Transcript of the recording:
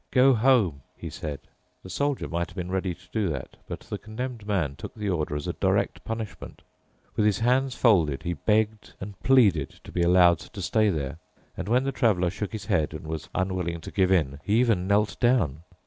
"Go home," he said. The Soldier might have been ready to do that, but the Condemned Man took the order as a direct punishment. With his hands folded he begged and pleaded to be allowed to stay there. And when the Traveler shook his head and was unwilling to give in, he even knelt down.